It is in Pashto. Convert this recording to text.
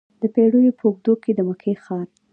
د پیړیو په اوږدو کې د مکې ښار.